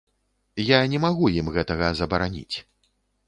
Я не магу ім гэтага забараніць.